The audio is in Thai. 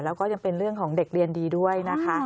แล้วก็ยังเป็นเรื่องของเด็กเรียนดีด้วยนะคะ